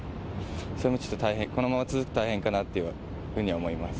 それもちょっと大変、このまま続くと大変かなっていうふうに思います。